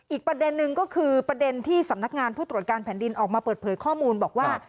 อีกประเด็นนึงก็คือประเด็นที่สำนักงานผู้ตรวจการแผ่นดินออกมาเปิดเผยข้อมูลบอกว่า